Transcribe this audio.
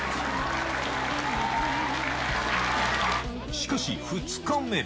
しかし２日目。